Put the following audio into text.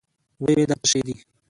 ويې ويل دا څه شې دي؟